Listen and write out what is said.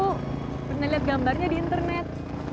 pernah lihat gambarnya di internet